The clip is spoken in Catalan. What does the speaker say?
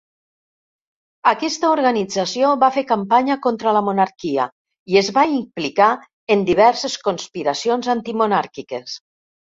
Aquesta organització va fer campanya contra la monarquia i es va implicar en diverses conspiracions antimonàrquiques.